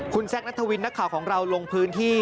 คุณแซคนัทวินนักข่าวของเราลงพื้นที่